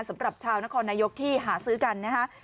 สำหรับชาวนครนายกที่หาซื้อกันนะฮะ